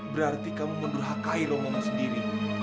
berarti kamu mendurhakai romomu sendiri